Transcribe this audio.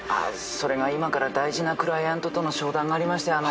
それが今から大事なクライアントとの商談がありまして。